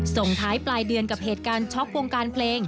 ส่งท้ายปลายเดือนกับเหตุการณ์ช็อกวงการเพลง